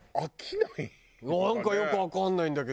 なんかよくわかんないだけど。